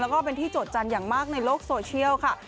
แล้วก็เป็นที่โจทยันอย่างมากในโลกโซเชียลค่ะ